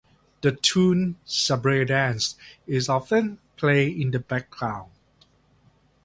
The tune "Sabre Dance" is often played in the background.